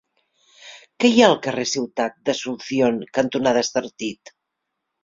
Què hi ha al carrer Ciutat d'Asunción cantonada Estartit?